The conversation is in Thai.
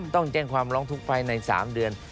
ต้องแจ้งความร้องทุกข์ภายใน๓เดือน